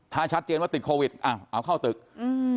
ถ้าชัดเจนว่าติดโควิดอ้าวเอาเข้าตึกอืม